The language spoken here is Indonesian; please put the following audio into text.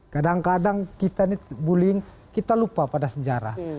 kadang kadang kita ini bullying kita lupa pada sejarah